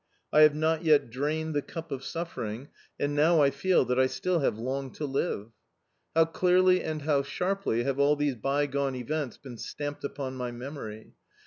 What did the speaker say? I have not yet drained the cup of suffering, and now I feel that I still have long to live. How clearly and how sharply have all these bygone events been stamped upon my memory!